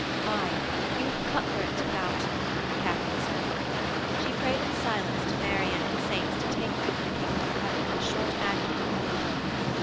'Aye: you have cut throats without,' Katharine said. She prayed in silence to Mary and the saints to take her into the kingdom of heaven with a short agony here below.